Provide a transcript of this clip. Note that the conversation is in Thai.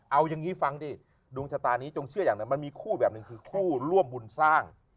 เอาอย่างนี้ฟังดิดวงชะตานี้จงเชื่ออย่างหนึ่งมันมีคู่แบบหนึ่งคือคู่ร่วมบุญสร้าง